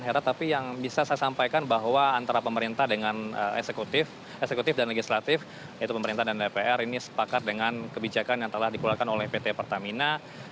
hera tapi yang bisa saya sampaikan bahwa antara pemerintah dengan eksekutif eksekutif dan legislatif yaitu pemerintah dan dpr ini sepakat dengan kebijakan yang telah dikeluarkan oleh pt pertamina